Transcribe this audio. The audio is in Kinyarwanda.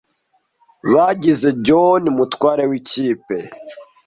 Bagize John umutware wikipe.